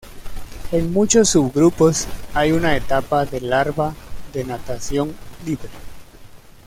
En muchos subgrupos hay una etapa de larva de natación libre.